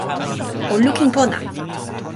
o lukin pona.